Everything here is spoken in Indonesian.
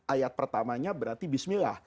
ayat pertamanya berarti bismillah